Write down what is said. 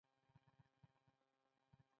انار د ماشومانو لپاره ګټور خواړه دي.